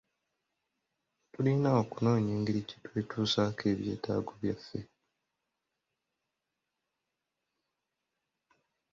Tulina okunoonya engeri gye twetuusaako ebyetaago byaffe.